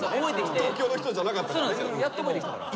東京の人じゃなかったからね。